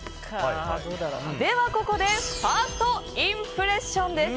では、ここでファーストインプレッションです。